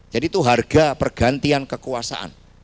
jadi itu harga pergantian kekuasaan